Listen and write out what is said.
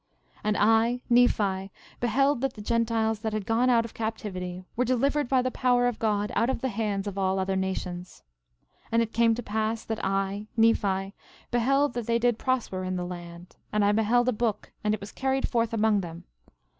13:19 And I, Nephi, beheld that the Gentiles that had gone out of captivity were delivered by the power of God out of the hands of all other nations. 13:20 And it came to pass that I, Nephi, beheld that they did prosper in the land; and I beheld a book, and it was carried forth among them.